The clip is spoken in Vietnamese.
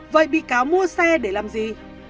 vậy bị cáo mua xe để làm gì